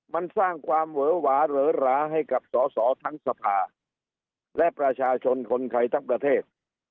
มันสร้างความเวอหวาเหลือหราให้กับสอสอทั้งสภาและประชาชนคนไทยทั้งประเทศ